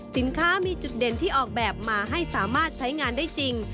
สินค้ามีจุดเด่นที่ออกแบบมาให้สามารถใช้งานได้จริง